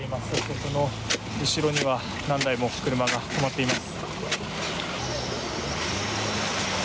その後ろには何台も車が止まっています。